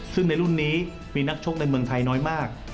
ซึ่งในรุ่นนี้มีนักชกในเมืองไทยน้อยมาก